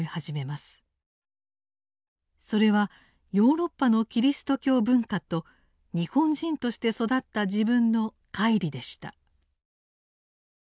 それはヨーロッパのキリスト教文化と日本人として育った自分の乖離でした。